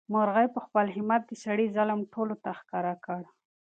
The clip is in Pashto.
مرغۍ په خپل همت د سړي ظلم ټولو ته ښکاره کړ.